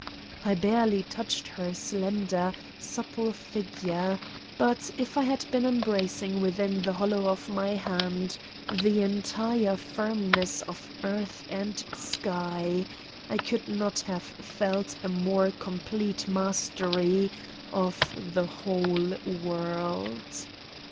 I barely touched her slender, supple figure, but if I had been embracing within the hollow of my hand the entire firmness of earth and sky I could not have felt a more complete mastery of the whole world!